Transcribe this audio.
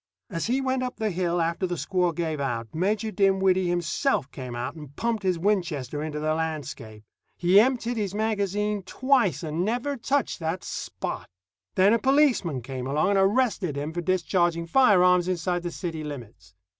As he went up the hill, after the squaw gave out, Major Dinwiddie himself came out and pumped his Winchester into the landscape. He emptied his magazine twice, and never touched that Spot. Then a policeman came along and arrested him for discharging firearms inside the city limits.